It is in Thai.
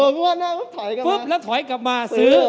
นวดหน้าปุ๊บถอยกลับมาปุ๊บแล้วถอยกลับมาซื้อ